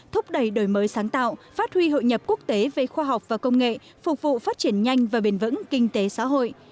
thúc đẩy đổi mới sáng tạo phát huy hội nhập quốc tế về khoa học và công nghệ phục vụ phát triển nhanh và bền vững kinh tế xã hội